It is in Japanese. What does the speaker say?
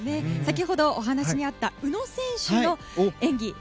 先ほどお話にあった宇野選手の演技